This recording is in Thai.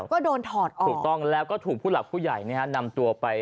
ก็โดนถอดออกถูกต้องแล้วก็ถูกผู้หลักผู้ใหญ่นำตัวไป